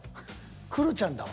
クロちゃんだわ。